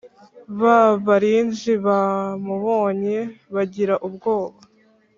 Ba barinzi bamubonye bagira ubwoba